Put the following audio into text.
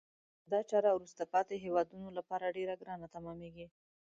دا چاره وروسته پاتې هېوادونه لپاره ډیره ګرانه تمامیږي.